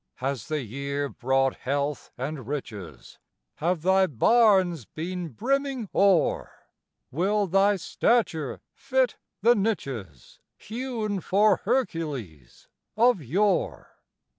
Has the year brought health and riches? Have thy barns been brimming o'er? Will thy stature fit the niches Hewn for Hercules of yore?